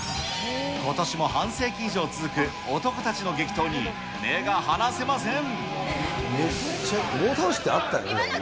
ことしも半世紀以上続く、男たちの激闘に、目が離せません。